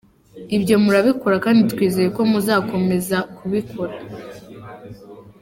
Ibyo murabikora kandi twizeye ko muzakomeza kubikora.